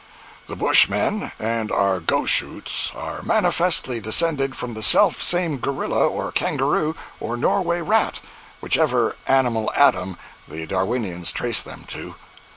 147.jpg (86K) The Bushmen and our Goshoots are manifestly descended from the self same gorilla, or kangaroo, or Norway rat, whichever animal Adam the Darwinians trace them to.